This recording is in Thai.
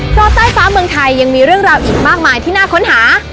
เพราะใต้ฟ้าเมืองไทยยังมีเรื่องราวอีกมากมายที่น่าค้นหา